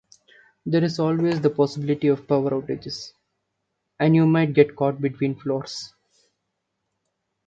There’s always the possibility of power outages, and you might get caught between floors.